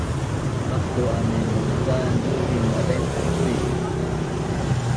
Maqtu’ amin muncan iuving madaimpuc cui